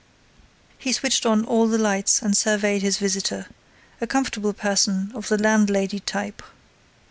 He switched on all the lights and surveyed his visitor, a comfortable person of the landlady type.